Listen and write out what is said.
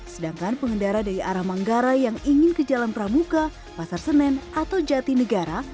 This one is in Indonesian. sedangkan pengendara dari arah manggarai yang ingin ke jalan pramuka pasar senen atau jati negara